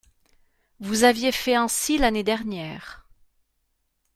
Vous aviez fait ainsi l’année dernière.